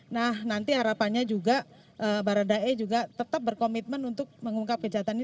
nah nanti harapannya juga baradae juga tetap berkomitmen untuk mengungkap kejahatan ini